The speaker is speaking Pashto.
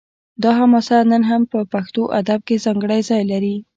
دا حماسه نن هم په پښتو ادب کې ځانګړی ځای لري